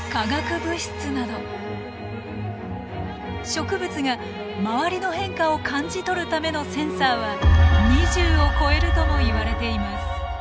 植物が周りの変化を感じ取るためのセンサーは２０を超えるともいわれています。